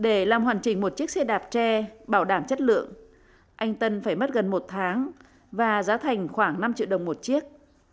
để làm hoàn chỉnh một chiếc xe đạp tre bảo đảm chất lượng anh tân phải mất gần một tháng và giá thành khoảng năm triệu đồng một chiếc